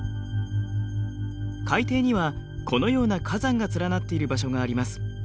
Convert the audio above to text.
海底にはこのような火山が連なっている場所があります。